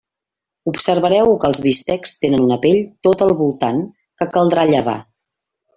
Observareu que els bistecs tenen una pell tot al voltant que caldrà llevar.